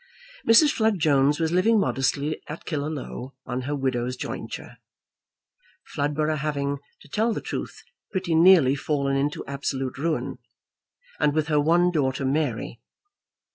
Mrs. Flood Jones was living modestly at Killaloe on her widow's jointure, Floodborough having, to tell the truth, pretty nearly fallen into absolute ruin, and with her one daughter, Mary.